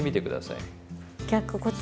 逆こっち側。